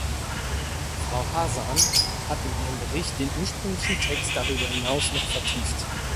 Frau Hazan hat mit ihrem Bericht den ursprünglichen Text darüber hinaus noch vertieft.